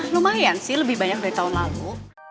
lumayan sih lebih banyak dari tahun lalu